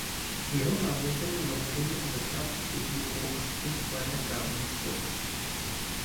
Jeho námětem je založení a začátky Facebooku a s tím spojené právní spory.